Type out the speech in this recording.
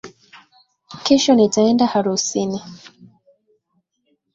Kesho nitaenda harusini